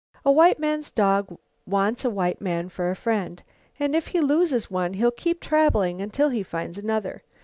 A white man's dog wants a white man for a friend, and if he loses one he'll keep traveling until he finds another.